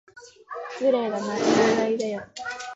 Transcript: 失礼だな、純愛だよ。